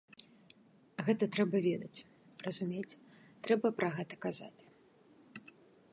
Гэта трэба ведаць, разумець, трэба пра гэта казаць.